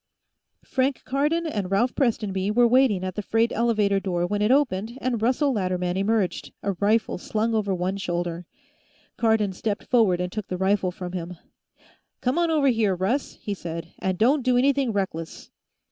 Frank Cardon and Ralph Prestonby were waiting at the freight elevator door when it opened and Russell Latterman emerged, a rifle slung over one shoulder. Cardon stepped forward and took the rifle from him. "Come on over here, Russ," he said. "And don't do anything reckless."